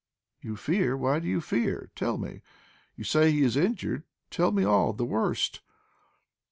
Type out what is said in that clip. "You fear! Why do you fear? Tell me. You say he is injured. Tell me all the worst!"